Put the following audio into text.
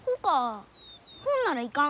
ほんなら行かん。